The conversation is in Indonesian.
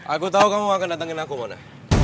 aku tau kamu gak akan datengin aku mona